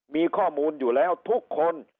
มีข้อมูลอยู่แล้วทุกคน